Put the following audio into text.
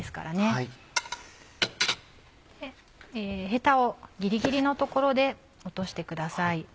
ヘタをギリギリの所で落としてください。